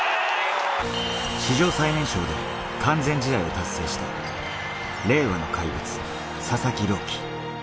史上最年少で完全試合を達成した令和の怪物・佐々木朗希。